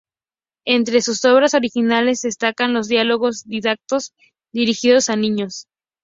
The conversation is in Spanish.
Entre sus obras originales destacan los diálogos didácticos, dirigidos a niños.